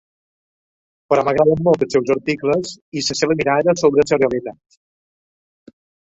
Però m’agraden molt els seus articles i la seva mirada sobre la realitat.